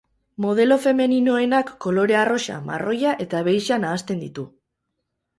Modelo femeninoenak kolore arrosa, marroia eta beixa nahasten ditu.